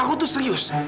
aku tuh serius